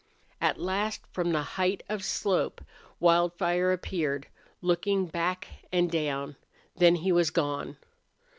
At last from the height of slope Wildfire appeared, looking back and down. Then he was gone.